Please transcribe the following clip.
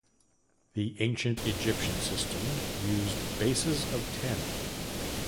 The Ancient Egyptian system used bases of ten.